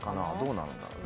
どうなんだろう？